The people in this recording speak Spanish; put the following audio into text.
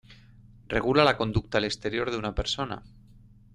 Regula la conducta al exterior de una persona.